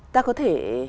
ta có thể